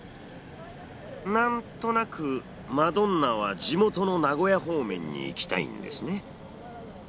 なんとなくマドンナは地元の名古屋方面に行きたいんですね。